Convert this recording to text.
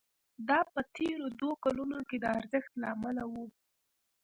دا په تېرو دوو کلونو کې د ارزښت له امله وو